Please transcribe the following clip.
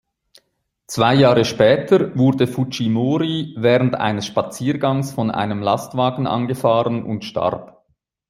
Zwei Jahre später wurde Fujimori während eines Spaziergangs von einem Lastwagen angefahren und starb.